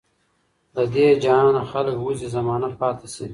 له دې جهانه خلک وزي زمانه پاته سي